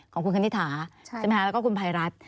ของคุณคณิฐาใช่แล้วก็คุณพายรัฐ